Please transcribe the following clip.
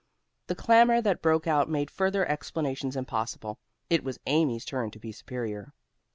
The clamor that broke out made further explanations impossible. It was Amy's turn to be superior.